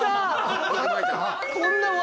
こんな笑